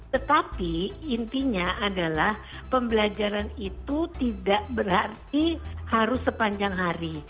tetapi intinya adalah pembelajaran itu tidak berarti harus sepanjang hari